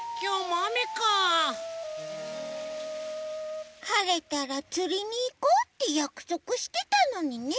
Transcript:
はれたらつりにいこうってやくそくしてたのにね。